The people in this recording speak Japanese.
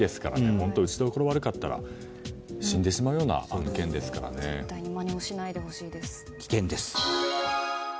本当に打ちどころが悪かったら死んでしまうような案件ですから絶対まねをしないでほしいです。